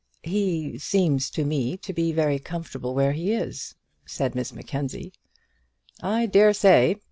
"He seems to me to be very comfortable where he is," said Miss Mackenzie. "I dare say.